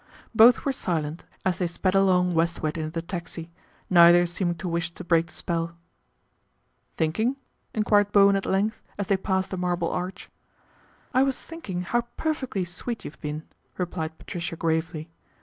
Both were silent as they sped along westward in the taxi, neither seeming to wish to break the spell. " Thinking ?" enquired Bowen at length, as they passed the Marble Arch. " I was thinking how perfectly sweet you've been," replied Patricia gravely.